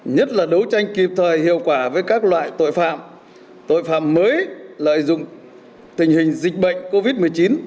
nhất là đấu tranh kịp thời hiệu quả với các loại tội phạm tội phạm mới lợi dụng tình hình dịch bệnh covid một mươi chín